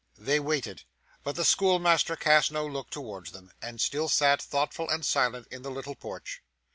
They waited, but the schoolmaster cast no look towards them, and still sat, thoughtful and silent, in the little porch.